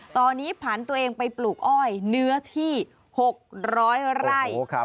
ตอนนี้ผ่านตัวเองไปปลูกอ้อยเนื้อที่๖๐๐ไร่